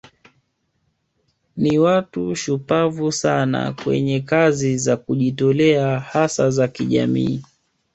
Ni watu shupavu sana kwenye kazi za kujitolea hasa za kijamii